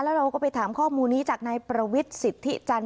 แล้วเราก็ไปถามข้อมูลนี้จากนายประวิษฐิจันทร์